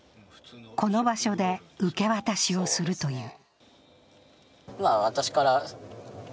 この場所で受け渡しをするという。